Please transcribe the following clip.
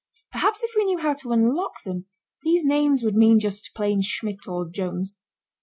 Perhaps if we knew how to unlock them these names would mean just plain Schmidt or Jones.